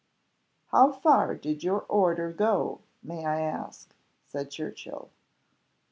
"How far did your order go, may I ask?" said Churchill.